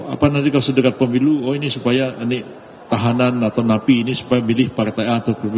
apa nanti kalau sedekat pemilu oh ini supaya ini tahanan atau napi ini supaya milih partai a atau pilih b